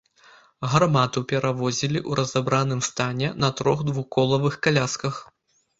Гармату перавозілі ў разабраным стане на трох двухколавых калясках.